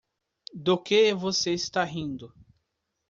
Do que você está rindo?